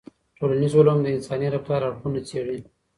ټولنيز علوم د انساني رفتار اړخونه څېړي.